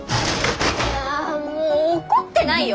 ああもう怒ってないよ。